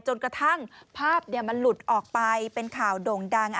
จนกระทั่งภาพมันหลุดออกไปเป็นข่าวโด่งดัง